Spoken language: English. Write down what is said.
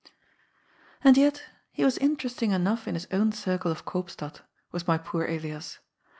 And yet he was interesting enough in his own circle of Koopstad, was my poor Elias.